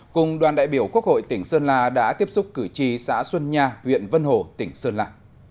cùng đoàn đại biểu quốc hội tỉnh sơn la đã tiếp xúc cử tri xã xuân nha huyện vân hồ tỉnh sơn la